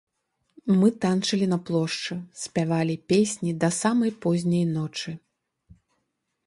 Мы танчылі на плошчы, спявалі песні да самай позняй ночы.